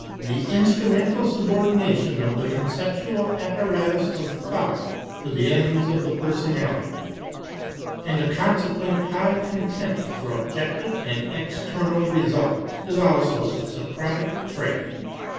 The instrumental subordination of the con ceptual apparatus of thought to the ends of the personality, and a consequent high contempt for objective and external results, is also a Socratic trait.